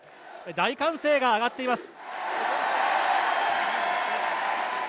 大歓声が上がっています。